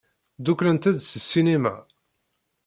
Ddukklent-d seg ssinima.